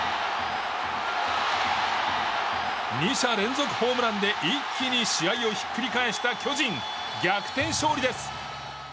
２者連続ホームランで一気に試合をひっくり返した巨人逆転勝利です。